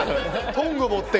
トング持って。